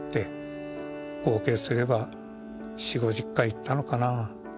合計すれば４０５０回行ったのかなぁ。